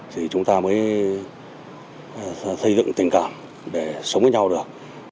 thì chúng ta mới xây dựng tình cảm để sống với nhau được